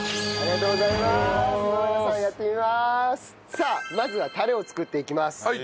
さあまずはタレを作っていきます。